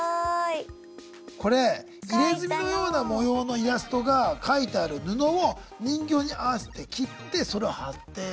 これ入れ墨のような模様のイラストが描いてある布を人形に合わせて切ってそれを貼っている。